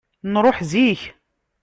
Nṛuḥ zik.